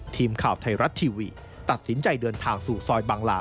ทีมข่าวไทยรัฐทีวีตัดสินใจเดินทางสู่ซอยบางลา